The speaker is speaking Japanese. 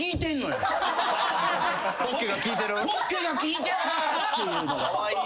ポッケが聴いてるっていう。